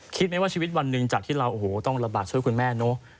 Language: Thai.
คิดไหมว่าชีวิตวันหนึ่งจากที่เราโอ้โหต้องระบาดช่วยคุณแม่เนอะ